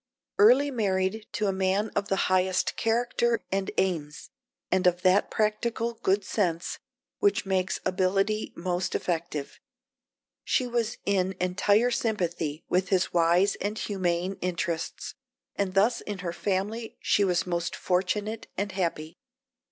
Early married to a man of the highest character and aims, and of that practical good sense which makes ability most effective, she was in entire sympathy with his wise and humane interests, and thus in her family she was most fortunate and happy.